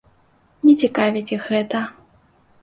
Не цікавіць іх гэта.